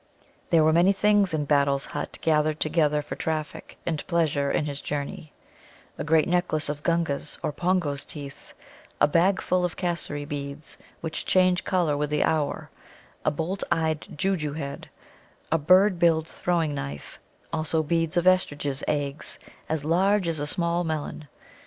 There were many things in Battle's hut gathered together for traffic and pleasure in his journey: a great necklace of Gunga's or Pongo's teeth; a bagful of Cassary beads, which change colour with the hour, a bolt eyed Joojoo head, a bird billed throwing knife, also beads of Estridges' eggs, as large as a small melon.